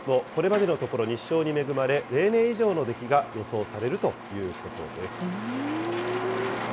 ＪＡいみず野によりますとこれまでのところ、日照に恵まれ、例年以上の出来が予想されるということです。